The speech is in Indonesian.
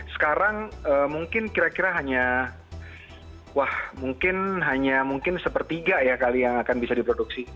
sekarang mungkin kira kira hanya wah mungkin hanya mungkin sepertiga ya kali yang akan bisa diproduksi